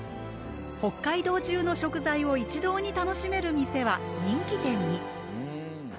北海道中の食材を一堂に楽しめる店は人気店に。